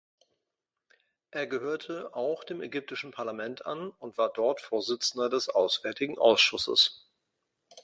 Er gehörte auch dem ägyptischen Parlament an und war dort Vorsitzender des auswärtigen Ausschusses.